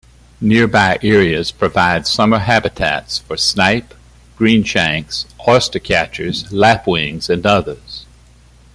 Nearby areas provide summer habitats for snipe, greenshanks, oystercatchers, lapwings and others.